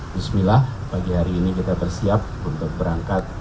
bismillah pagi hari ini kita bersiap untuk berangkat